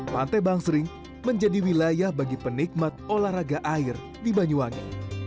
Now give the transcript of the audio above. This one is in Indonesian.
pantai bangsering menjadi wilayah bagi penikmat olahraga air di banyuwangi